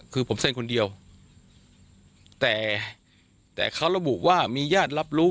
คือผมเซ็นคนเดียวแต่แต่เขาระบุว่ามีญาติรับรู้